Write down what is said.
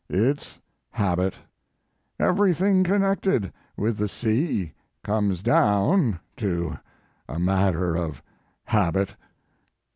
It s habit; every thing connected with the sea comes down to a matter of habit.